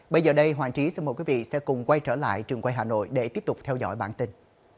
bây giờ đây hoàng trí xin mời quý vị sẽ cùng quay trở lại trường quay hà nội để tiếp tục theo dõi bản tin